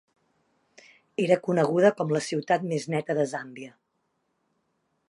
Era coneguda com la ciutat més neta de Zambia.